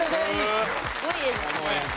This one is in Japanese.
すごい絵ですね。